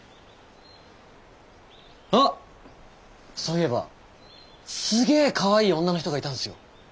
あっそういえばすげかわいい女の人がいたんすよ。